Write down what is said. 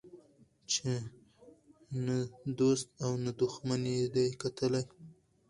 چي نه دو ست او نه دښمن یې دی کتلی